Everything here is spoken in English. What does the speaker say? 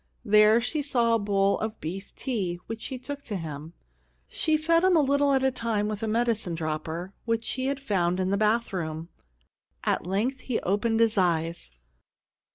There she saw a bowl of beef tea, which she took to him. She fed him a little at a time with a medicine dropper which she had found in the bathroom. At length he opened his eyes.